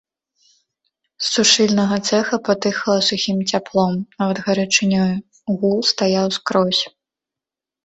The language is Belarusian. З сушыльнага цэха патыхала сухім цяплом, нават гарачынёю, гул стаяў скрозь.